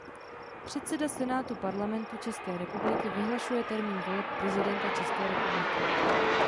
Předseda Senátu Parlamentu České republiky vyhlašuje termín voleb prezidenta České republiky.